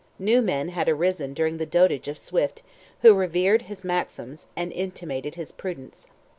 New men had arisen during the dotage of Swift, who revered his maxims, and imitated his prudence.